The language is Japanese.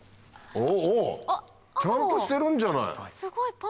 おぉちゃんとしてるんじゃない。